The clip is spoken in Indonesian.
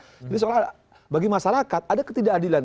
jadi seolah olah bagi masyarakat ada ketidakadilan